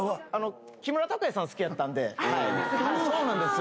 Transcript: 木村拓哉さん好きやったんで、そうなんですよ。